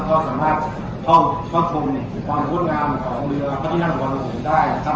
เขาสามารถเข้าชมความโฆษณ์งามของวัฒนินังวัลโศกได้ครับ